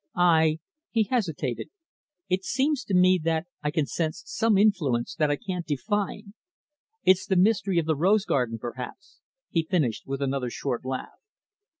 I" he hesitated "it seems to me that I can sense some influence that I can't define it's the mystery of the rose garden, perhaps," he finished with another short laugh.